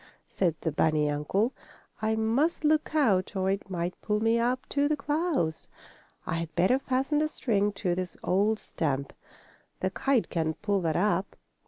said the bunny uncle. "I must look out or it might pull me up to the clouds. I had better fasten the string to this old stump. The kite can't pull that up."